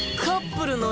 「カップル」？